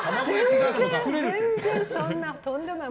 全然そんな、とんでもない。